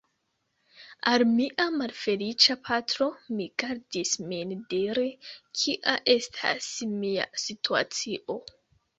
Al mia malfeliĉa patro, mi gardis min diri, kia estas mia situacio.